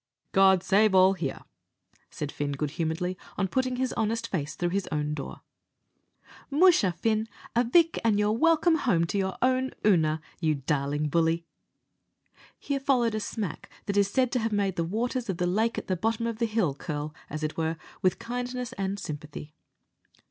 "God save all here!" said Fin, good humouredly, on putting his honest face into his own door. "Musha, Fin, avick, an' you're welcome home to your own Oonagh, you darlin' bully." Here followed a smack that is said to have made the waters of the lake at the bottom of the hill curl, as it were, with kindness and sympathy.